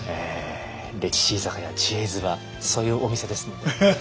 歴史居酒屋知恵泉はそういうお店ですので。